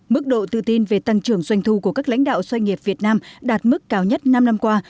mức độ tự tin về tăng trưởng doanh thu của các lãnh đạo doanh nghiệp việt nam đạt mức cao nhất năm năm qua